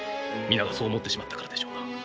皆がそう思ってしまったからでしょうな。